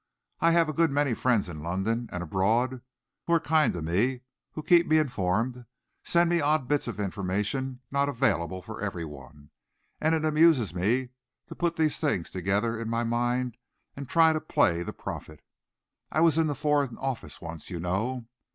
I have a good many friends in London and abroad who are kind to me, who keep me informed, send me odd bits of information not available for every one, and it amuses me to put these things together in my mind and to try and play the prophet. I was in the Foreign Office once, you know.